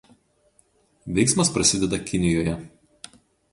Veiksmas prasideda Kinijoje.